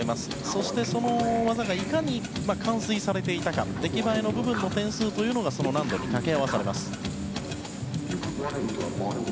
そして、その技がいかに完遂されていたか出来栄えの部分の点数というのがその難度に掛け合わされます。